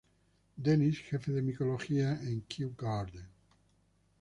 Dennis, jefe de micología en Kew Gardens.